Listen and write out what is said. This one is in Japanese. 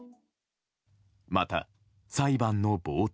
また、裁判の冒頭。